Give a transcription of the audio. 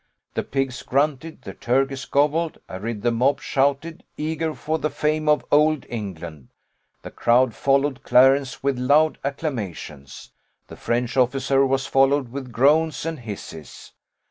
The pigs grunted, the turkeys gobbled, and the mob shouted: eager for the fame of Old England, the crowd followed Clarence with loud acclamations. The French officer was followed with groans and hisses.